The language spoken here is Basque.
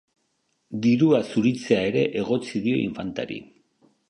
Dirua zuritzea ere egotzi dio infantari.